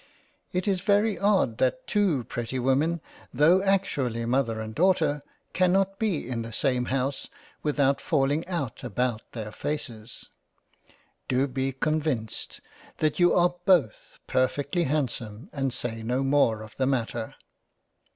It is very odd that two pretty Women tho' actually Mother and Daughter cannot be in the same House without falling out about their faces. Do be con vinced that you are both perfectly handsome and say no more of the Matter.